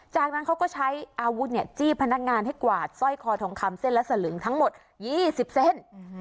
จากนั้นเขาก็ใช้อาวุธจี้พนักงานให้กวาดสร้อยคอทองคำเส้นและสลึงทั้งหมด๒๐เส้น